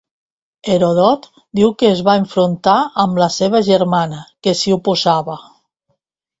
Heròdot diu que es va enfrontar amb la seva germana que s'hi oposava.